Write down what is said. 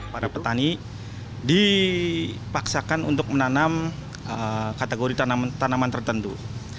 para petani dipaksakan untuk menanam kategori tanaman tertentu